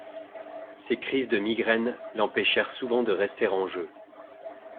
Ces crises de migraine l'empêchèrent souvent de rester en jeu.